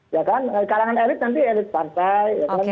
ya kan kalangan elit nanti elit partai